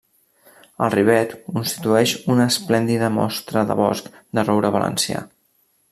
El Rivet constitueix una esplèndida mostra de bosc de roure valencià.